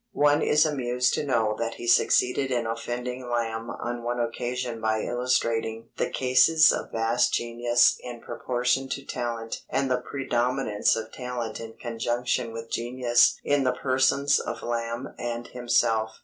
_" One is amused to know that he succeeded in offending Lamb on one occasion by illustrating "the cases of vast genius in proportion to talent and the predominance of talent in conjunction with genius in the persons of Lamb and himself."